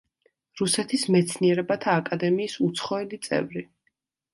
რუსეთის მეცნიერებათა აკადემიის უცხოელი წევრი.